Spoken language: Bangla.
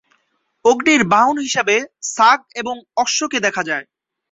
অগ্নির বাহন হিসেবে ছাগ এবং অশ্বকে দেখা যায়।